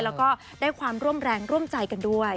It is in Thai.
แล้วก็ได้ความร่วมแรงร่วมใจกันด้วย